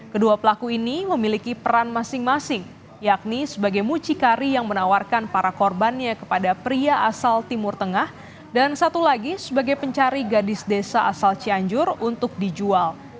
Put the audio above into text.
kedua pelaku ini memiliki peran masing masing yakni sebagai mucikari yang menawarkan para korbannya kepada pria asal timur tengah dan satu lagi sebagai pencari gadis desa asal cianjur untuk dijual